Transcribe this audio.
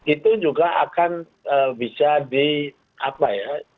itu juga akan bisa di apa ya